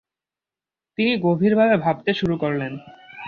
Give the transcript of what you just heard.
তিনি গভীরভাবে ভাবতে শুরু করেন।